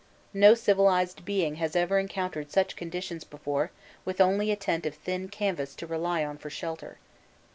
No civilised being has ever encountered such conditions before with only a tent of thin canvas to rely on for shelter.